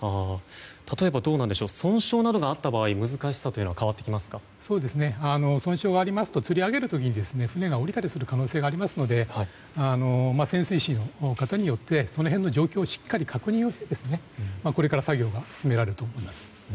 例えば、損傷などがあった場合難しさというのは損傷があるとつり上げる時に船が折れたりする可能性がありますので潜水士の方によってその辺の状況の確認後これから作業が進められると思います。